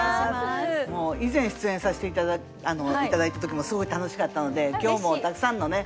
もう以前出演させて頂いた時もすごい楽しかったので今日もたくさんのね